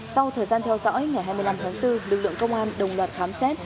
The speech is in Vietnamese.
sau thời gian theo dõi ngày hai mươi năm tháng bốn lực lượng công an đồng loạt khám xét